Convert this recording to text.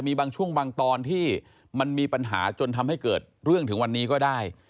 มีบางช่วงบางตอนที่มันมีปัญหาจนทำให้เกิดเรื่องถึงวันนี้ก็ได้